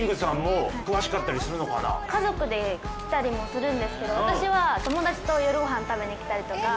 家族で来たりもするんですけど私は友達と夜ご飯食べに来たりとか。